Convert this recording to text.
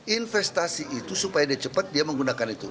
investasi itu supaya dia cepat dia menggunakan itu